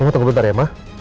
tunggu bentar ya ma